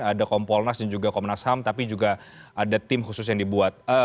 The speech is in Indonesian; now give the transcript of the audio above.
ada kompolnas dan juga komnas ham tapi juga ada tim khusus yang dibuat